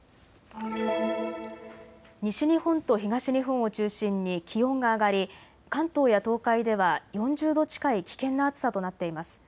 西日本と東日本を中心に気温が上がり関東や東海では４０度近い危険な暑さとなっています。